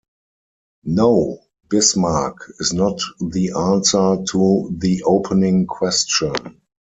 No, Bismarck is not the answer to the opening question.